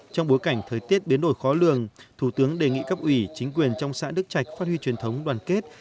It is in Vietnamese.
trong bối cảnh thời tiết biến đổi khó lường thủ tướng đề nghị cấp ủy chính quyền trong xã đức trạch phát huy truyền thống đoàn kết